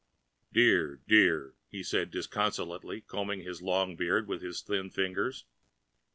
"Dear, dear," he said disconsolately, combing his long beard with his thin fingers.